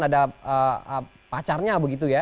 ada pacarnya begitu ya